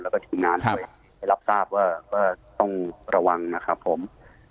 แล้วก็ถึงงานไปไปรับทราบว่าต้องระวังนะครับผม